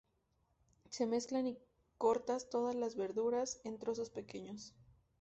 Se mezclan y cortas todas las verduras en trozos pequeños.